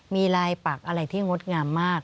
มีลายปักอะไรที่งดงามมาก